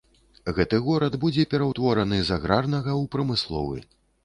Гэты горад будзе пераўтвораны з аграрнага ў прамысловы.